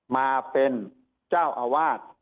มาเป็นเจ้าอาวาส